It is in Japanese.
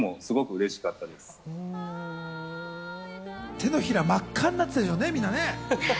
手のひら真っ赤になったでしょうね、みんな。